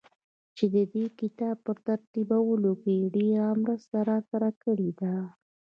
چي ددې کتاب په ترتيبولو کې يې ډېره مرسته راسره کړې ده.